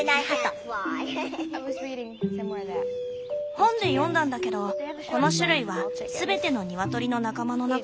本で読んだんだけどこの種類は全てのニワトリの仲間の中で一番足が短いんだって。